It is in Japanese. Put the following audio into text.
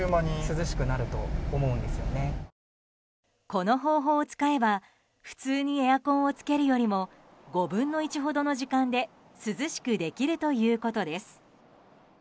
この方法を使えば普通にエアコンをつけるよりも５分の１ほどの時間で涼しくできるということです。